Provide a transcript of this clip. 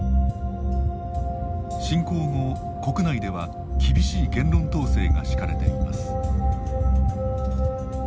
侵攻後、国内では厳しい言論統制が敷かれています。